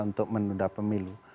untuk menunda pemilu